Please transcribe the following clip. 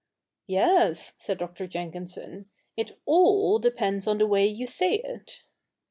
' Yes,' said Dr. Jenkinson, ' it all depends upon the way you say it.'